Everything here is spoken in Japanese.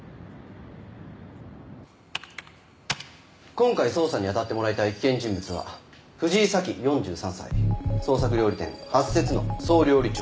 今回捜査に当たってもらいたい危険人物は藤井早紀４３歳創作料理店八節の総料理長。